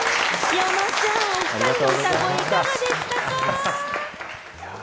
山ちゃん、お２人の歌声、いかがでしたか？